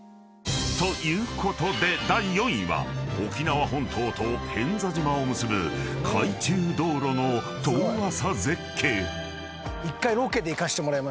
［ということで第４位は沖縄本島と平安座島を結ぶ海中道路の遠浅絶景］